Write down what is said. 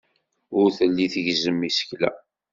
Ur telli tgezzem isekla.